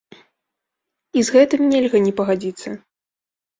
І з гэтым нельга не пагадзіцца.